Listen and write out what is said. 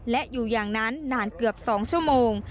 และอยู่อย่างนั้นนานเกือบ๒ชั่วโมง